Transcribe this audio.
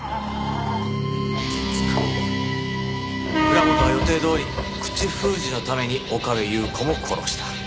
浦本は予定どおり口封じのために岡部祐子も殺した。